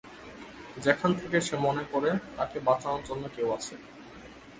যেখান থেকে সে মনে করে তাকে বাঁচানোর জন্য কেউ আছে।